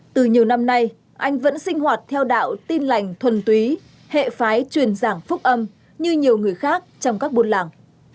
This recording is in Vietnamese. từ nhiều năm nay anh vẫn sinh hoạt theo đạo tin lành thuần túy hệ phái truyền giảng phúc âm như nhiều người khác trong các buôn làng